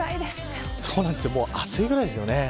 もう暑いくらいですよね。